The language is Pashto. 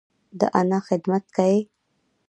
د انا خدمت کيي.